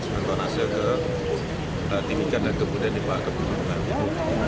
semen ke timika dan kemudian dibawa ke bumun